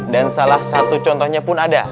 dan salah satu contohnya pun ada